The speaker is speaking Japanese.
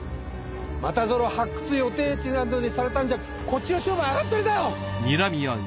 またぞろ発掘予定地なんぞにされたんじゃこっちの商売あがったりだよ！